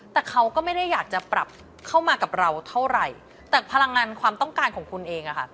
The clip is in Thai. แต่เขาก็ไม่ได้อยากจะปรับเข้ามากับเราเท่าไหร่แต่พลังงานความต้องการของคุณเองอะค่ะ